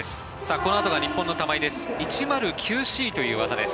このあとが日本の玉井です。